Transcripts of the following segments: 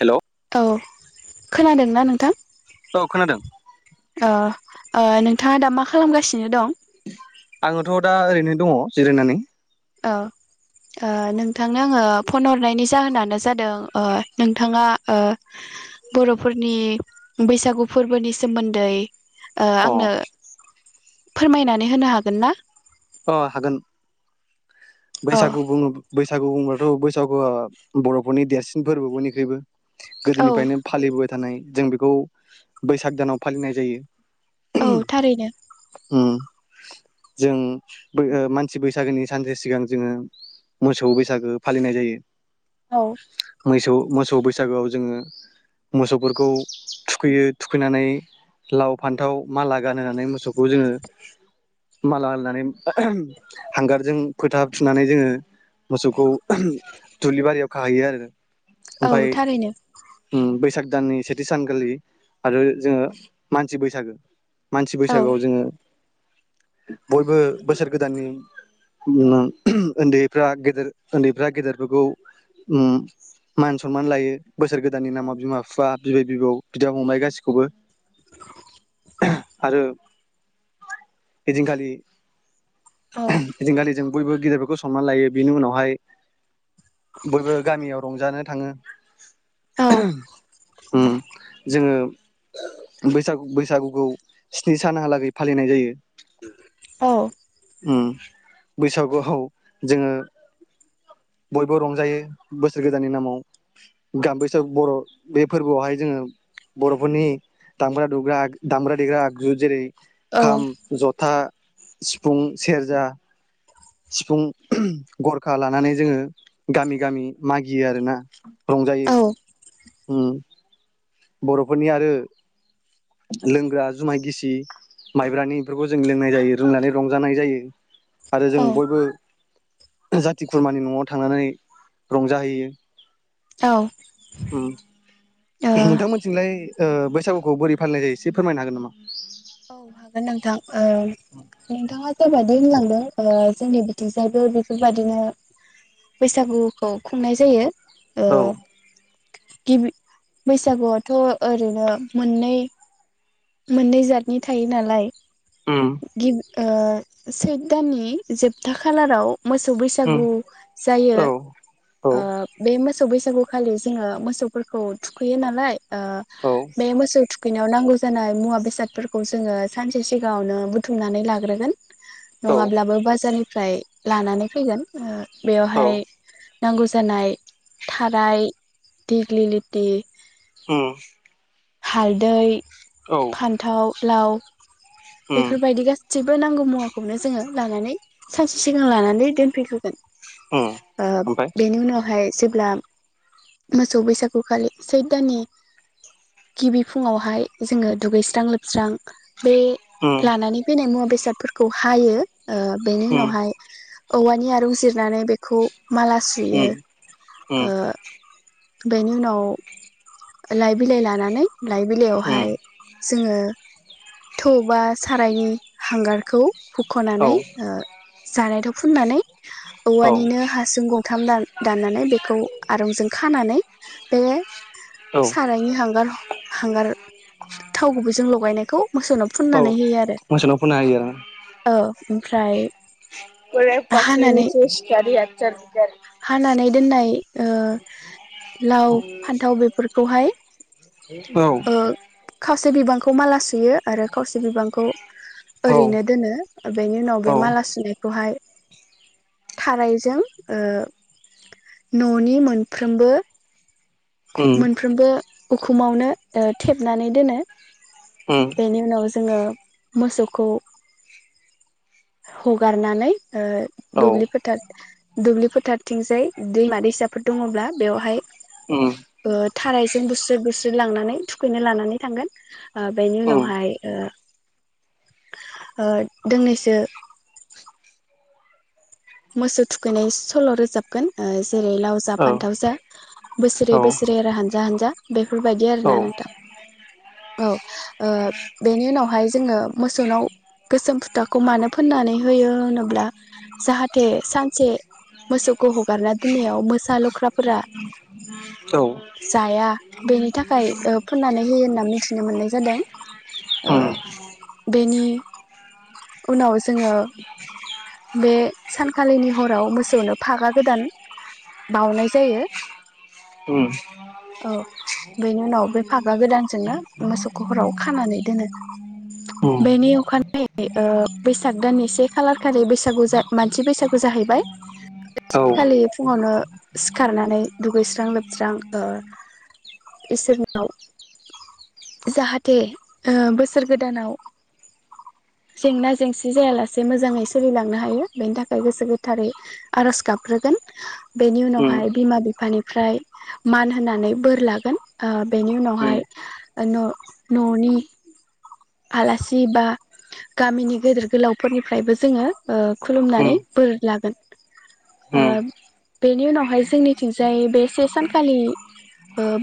हेल' औ खोनादों ना नोंथां? अ खोनादों ओ नोंथाङा दा मा खालामगासिनो दं आङोथ' दा ओरैनो दङ जिरायनानै औ ओ नोंथां आङो फन हरनायनि जाहोनानो जादों ओ नोंथाङा ओ बर'फोरनि बैसागु फोरबोनि सोमोन्दै ओ अ आंनो फोरमायनानै होनो हागोन ना अ हागोन औ बैसागु बुङो बैसागु बुंब्लाथ' बैसागुआ बर'फोरनि देरसिन फोरबो बयनिख्रुइबो औ गोदोनिफ्रायनो फालिबोबाय थानाय जों बेखौ बैसाग दानाव फालिनाय जायो औ थारैनो उम जों मानसि बैसागोनि सानसे सिगां जोङो मोसौ बैसागो फालिनाय जायो। औ मैसौ मोसौ बैसागोआव जोङो मोसौफोरखौ थुखैयो थुखैनानै लाव फान्थाव माला गानहोनानै मोसौखौ जोङो माला होननानै हांगारजों फोथा थुनानै जोङो मोसौखौ दुब्लि बारियाव खाहैयो आरो औ ओमफाय थारैनो उम बैसाग दाननि सेथि सानखालि आरो जोङो मानसि बैसागो मानसि औ बैसागोआव जोङो बयबो बोसोर गोदाननि उम म उन्दैफ्रा गेदेर उन्दैफ्रा गेदेरफोरखौ उम मान सनमान लायो। बोसोर गोदाननि औ नामाव बिमा बिफा बिबै बिबौ बिदा फंबाय गाैखौबो आरो ओदिनखालि औ ओइ दिनखालि जों बयबो गिदिरफोरखौ संनमान लायो बिनि उनावहाय बयबो गामियाव रंजानो थाङो औ उम जोङो बैसागु बैसागुखौ स्नि सानहालागै फालिनाय जायो उम औ उम बैसागुआव जोङो बयबो रंजायो बोसोर गोदाननि नामाव गाम बैसागु बर' बे फोरबोआवहाय जोङो बर'फोरनि दामग्रा दुग्रा दामग्रा देग्रा आगजु जेरै- खाम, ज'था सिफुं, सेरजा, सिफुं, गरखा लानानै जोङो गामि गामि मागियो आरोना औ रंजायो उम बर'फोरनि आरो लोंग्रा जुमाय गिसि माइब्रानि बेफोरखौ जों लोंनाय जायो रोंनानै रंजानाय जायो। आरो जों बयबो जाथि खुरमानि न'आव थांनानै रंजाहैयो औ उम औ नोंथांमोनथिंलाय ओ बैसागुखौ बोरै फालिनाय जायो एसे फोरमायनो हागोन नामा? औ हागोन नोंथां। ओम नोंथाङा जा बायदि होनलांदों ओ जोंनि बिथिंजायबो बेफोरबादिनो बैसागुखौ खुंनाय जायो। ओ औ गिबि बैसागुआवथ' ओरैनो मोननै मोननै जातनि थायो नालाय उम गिब ओ सैद दाननि जोबथा खालाराव मोसौ उम बैसागु जायो औ औ ओब बे मो मोसौ बैसागुखालि जोङो मोसौफोरखौ थुखैयो नालाय ओ औ बे मोसौ थुख बिनियाव नांगौ जानाय मुवा बेसादफोरखौ जोङो सानसे सिगाङावनो बुथुमनानै लाग्रोगोन। औ नङाब्लाबो बाजारनिफ्राय लानानै फैगोन ओ औ बेवहाय नांगौ जानाय थाराय दिग्लिलिटि उम हालदै औ फान्थाव लाव उम बेफोरबायदि गास जेबो नांगौ मुवाखौनो जोङो लानानै सानसे सिगां लानानै दोनफैग्रोगोन। उम ओ ओमफ्राय बेनि उनावहाय जेब्ला मोसौ बैसागुखालि सैद दानि गिबि फुङावहाय जोङो दुगैस्रां लोबस्रां बे उम लानानै फैनाय मुवा बेस बेसादफोरखौ हायो ओ बेनि उम उनावहाय औवानि आरुं जिरनानै बेखौ माला सुयो उम उम ओ। बेनि उनाव लाइ बिलाइ लानानै लाइ उम बिलाइयावहाय जोङो थौबा सारायनि हांगारखौ औ हुख'नानै ओ जानाय थाव फुननानै औ औवानिनो हासुं गंथाम दान दाननानै बेखौ आरंजों खानानै बे औ सारायनि हांगार हांगार थाव गुबैजों लगायनायखौ मोसौनाव औ फुननानै होयो आरो मोसौनाव फुनना ओ। ओमफ्राय गराय हानानै बाख्रिनिसो सिखारिया जार हानानै दोननाय ओ लाव फान्थाव बेफोरखौहाय औ ओ खा मासे बिबांखौ मालासो सु सुयो आरो खावसे बिबांखौ औ ओरैनो दोनो बेनि उनाव औ बे माला सुनायखौहाय थारायजों ओ न'नि मोनफ्रोमबो उम मोनफ्रोमबो उखुमावनो ओ थेबनानै दोनो। उम बेनि उनाव जोङो मोसौखौ हगारनानै ओ औ दुब्लि फोथार दुब्लि फोथारथिंजाय दैमा दैसाफोर दङब्ला बेवहाय उम ओ थारायजों बुस्रोद बुस्रोद लांनानै थुखैनो लानानै थांगोन। आ बेनि उम उनावहाय ओ ओ दोंनैसो मोसौ थुखैनाय सल' रोजाबगोन ओ जेरै लाव जा औ फान्थाव जा बोसोरै औ बोसोरै आरो हान जा हानजा बे बेफोरबायदि औ आरोना नोंथां। औ ओ बेनि उनावहाय जोङो मोसौनाव गोसोम फुथा खौ मानो फोननानै होयो होनोब्ला जाहाथे सानसे मोसौखौ हगारना दोननायाव मोसा लख्राफोरा औ जाया बेनि थाखाय ओ फुननानै होयो होनना मो मिथिनो मोननाय जादों ओ उम बेनि उनाव जोङो बे सानखालिनि हराव मोसौनो फागा गोदान बाउनाय जायो। ओम। औ बेनि उनाव बे फागा गोदानजोंनो मोसौखौ हराव खानानै दोनो। उम बेनि अखा ओ बैसाग दाननि से खालार खालि बैसागु मानसि बैसागु जाहैबाय बै औ सानखालि फुङावनो सिखारनानै दुगैस्रां लोबस्रां ओ इसोरनाव जाहाथे ओ बोसोर गोदानाव जेंना जेंसि जायालासे मोजाङै सोलिलांनो हायो बेनि थाखाय गोसो गोथारै आरज गाबग्रोगोन बेनि उम उनावहाय बिमा बिफानिफ्राय मान होनानै बोर लागोन ओ बेनि उम उनावहाय ओ न' न'नि आलासि बा गामिनि गेदेर गोलावफोरनिफ्रायबो जोङो खुलुमनानै उम बोर लागोन उम बेनि उनावहाय जोंनिथिंजाय बे से सानखालि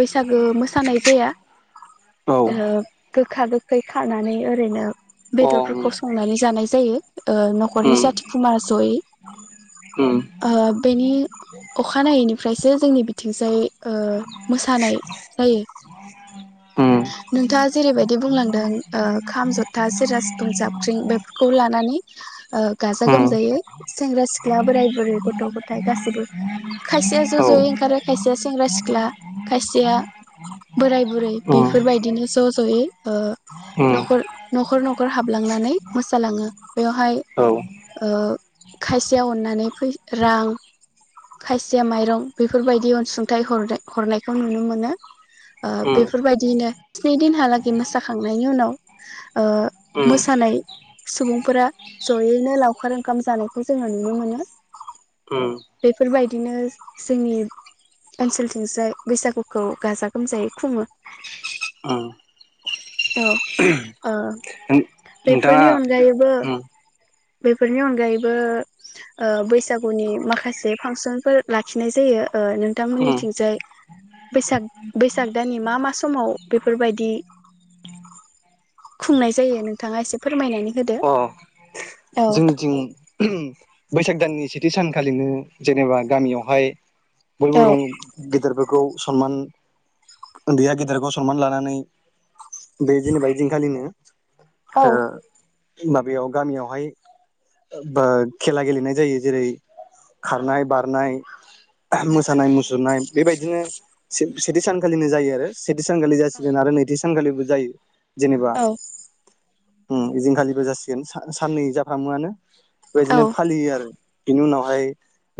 बैसागो मोसानाय जाया औ अ गोखा गोख खै खानानै ओरैनो उम बेदरफोरखौ संनानै जानाय जायो ओ नखरनि उम जाथि खुरमा जयै उम उम ओ बेनि अखानायैनिफ्रायसो जोंनि बिथिंजाय ओ मोसानाय जायो उम औ उम नोंथाङा जेरैबायदि बुंलां दों ओ खाम जथा सेरा सिफुं जाबख्रिं बेफोरखौ लानानै ओ गाजा औ गोमजायै सेंग्रा सिख्ला बोराय बुरै गथ' गथाय गासैबो खायसेया ज' ज'यै ओंखारो खायसेया सेंग्रा सिख्ला खायसेया बोराय बुरै बेफोरबायदिनो ज'ज'यै ओ उम न'खर न'खर न'खर हाबलांनानै मोसालाङो बेवहाय उम उम खायसेया अननानै फै रां खायसेया माइरं बेफोरबायदि अनसुंथाइ हरनाय हरनायखौ नुनो मोनो बेफोरबायदिनो स्नि दिनहालागै मोसा खांनायनि उनाव ओ मोसानाय सुबुंफोरा जयैनो लावखार ओंखाम जानायखौ जोङो नुनो मोनो बेफोरबायदिनो जोंनि ओनसोलथिंजाय बैसागुखौ गाजा गोमजायै खुङो। औ ओ। नोंथाङा बेफोरनि अनगायैबो उम बेफोरनि अनगायैबो ओ बैसागुनि माखासे फांसनफोर लाखिनाय जायो ओ उम नोंथांमोननिथिंजाय बैसाग बैसाग दाननि मा मा समाव बेफोरबायदि खुंनाय जायो नोंथाङा एसे फोरमायनानै होदो। अ औ जोंनिथिं बैसाग दाननि सेथि सानखालिनो जेनेबा गामियावहाय बयबो औ रं गिदेरफोर गौ समान उन्दैया गेदेरखौ सनमान लानानै बे जेनेबा ओइदिंखालिनो औ। [unintelligible] माबायाव गामियावहाय ओ बा खेला गेलेनाय जायो जेरै औ खारनाय बारनाय मोसानाय मुसुरनाय बेबायदिनो सेथि सानखालिनो जायो आरो सेथि सान खालि जासिगोन आरो नैथि [unintelligible] जायो। जेनेबा औ उम इदिंखालिबो जासिगोन सा-साननै जाब फामुआनो औ बेैजिनो फालियो आरो। बिनि उनावहाय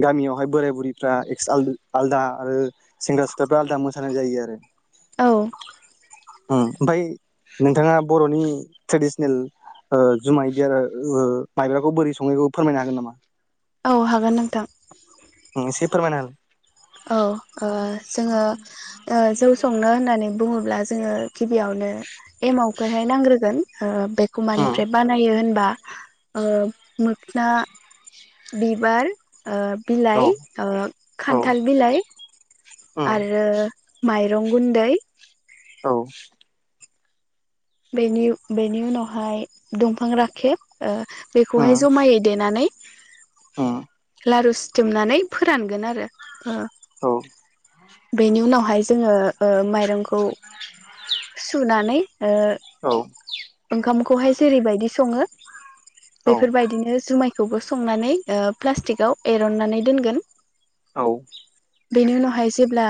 गामियावहाय बोराय बुरिफ्रा [unintelligible] आलदा आरो सेंग्रा सिख्लाफ्रा आलदा मोसानाय जायो आरो। औ ओम ओमफाय नोंथाङा बर'नि ट्रेडिसनेल ओ जुमाय बियार ओ माइब्राखौ बोरै सङो इखौ फोरमायनो हागोन नामा? औ हागोन नोंथां। [unintelligible] औ ओ जोङो ओ जौ संनो होननानै बुङोब्ला जोङो गिबियावनो एमआवखौहाय नांग्रोगोन बेखौ मानिफ्राय बानायो होनबा ओ [unintelligible] दा बिबार ओ बिलाइ ओ खान्थाल बिलाइ आरो माइरं गुन्दै औ बेनि बेनि उनावहाय दंफां राखेब ओ बेखौहाय जमायै देनानै उम लारु सिथुमनानै फोरानगोन आरो। औ। बेनि उनावहाय जोङो ओ माइरंखौ सुनानै ओ ओंखामखौहाय जेरैबायदि सङो बेफोरबायदिनो जुमाय खौबो संनानै ओ प्लास्टिकआव एरननानै दोनगोन। औ बेनि उनावहाय जेब्ला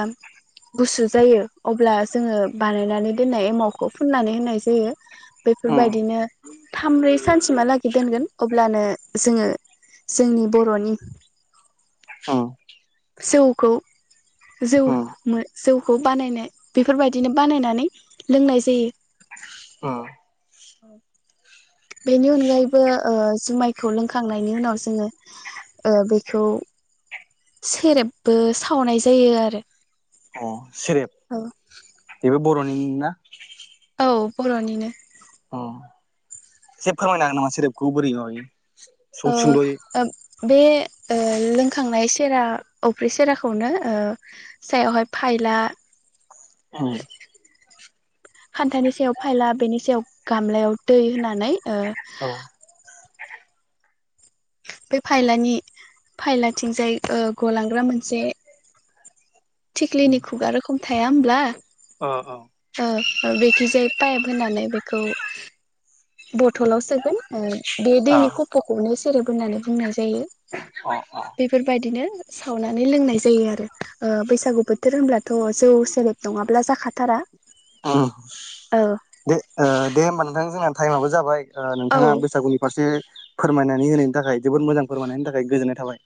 गुसु जायो अब्ला जोङो बानायनानै दोननाय एमावखौ फुननानै होनाय जायो। बैफोरबायदिनो थाम ब्रै सानसिमहालागै दोनगोन अब्लानो जोङो जोंनि बर'नि औ जौखौ जौ मोन जौखौ बानायनो बेफोरबायदिनो बानायनानै लोंनाय जायो। [inaudible] बेनि अनगायैबो ओ जुमायखौ लोंखांनायनि उनाव जोङो ओ बेखौ सेरेबबो सावनाय जायो आरो औ सेरेब बेबो। बर'निनो ना? औ बर'निनो। अ एसे फोरमायनो हागोन नामा सेरफखौ बोरै माबायो। ओ सुं सुंद'यै ओब बे। लोंखांनाय सेरा अफ्रि सेराखौनो सायावहाय फायला औ। खान्थानि सायाव फायला बेनि सायाव। गामलायाव दै होनानै ओ। बे फायलानि फायलाथिंजाय ओ गलां मोनसे थिखलि नि खुगा आरो खम। थाया होमब्ला। अ अ। ओ बेखिजाय पाइप होनानै बेखौ बथलाव सोगोन ओ बे अ दैनि खफखौनो। सेरे होननानै बुंनायसै जायो अ बेफोरबायदिनो सावनानै लोंनाय जायो आरो। ओ बैसागु बोथोर होमब्ला थ' जौ सेरेब नङाब्ला जाखाथारा। ओ ओ दे ओ दे होमबा नोंथां जोंहा टायेमआबो जाबाय। ओ औ नोंथाङा बैसागुनि फारसे फोरमायनानै होनायनि थाखाय जोबोद मोजां फोरमायनायनि थाखाय गोजोननाय थाबाय।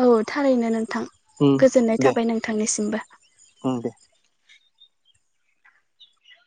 औ थारैनो नोंथां उम गोजोननाय दे थाबाय नोंथांनिसिमबो। उम दे